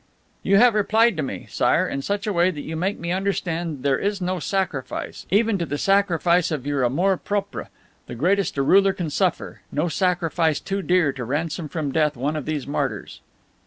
"You have replied to me, Sire, in such a way that you make me understand there is no sacrifice even to the sacrifice of your amour propre the greatest a ruler can suffer no sacrifice too dear to ransom from death one of these martyrs."